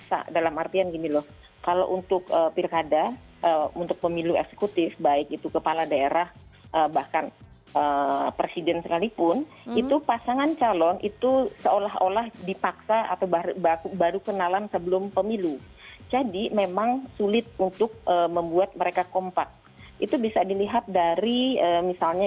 saya ingin menjawab soal pertanyaan yang terakhir